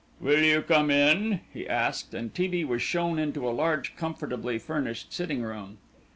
"Will you come in?" he asked, and T. B. was shown into a large comfortably furnished sitting room.